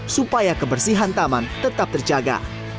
supaya kebersihan taman tetap terjaga